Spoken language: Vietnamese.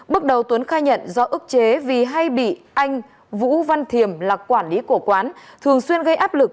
bước đầu tuấn khai nhận do ức chế vì hay bị anh vũ văn thiềm là quản lý của quán thường xuyên gây áp lực